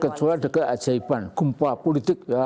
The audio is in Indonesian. kecuali ada keajaiban gumpa politik ya